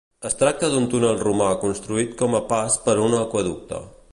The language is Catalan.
Es tracta d'un túnel romà construït com a pas per a un aqüeducte.